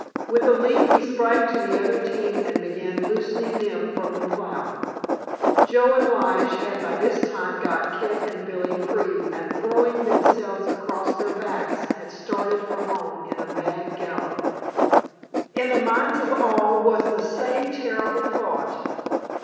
With a leap he sprang to the other team and began loosing them from the plow. Joe and Lige had by this time got Kit and Billy free and throwing themselves across their backs had started for home in a mad gallop. In the minds of all was the same terrible thought.